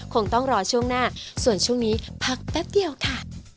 คงต้องรอช่วงหน้าส่วนช่วงนี้พักแป๊บเดียวค่ะ